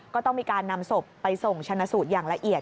ก็ต้องมีการนำศพไปส่งชนะสูตรอย่างละเอียด